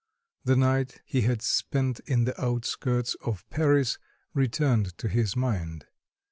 The night he had spent in the outskirts of Paris returned to his mind.